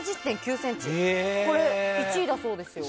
これ、１位だそうですよ。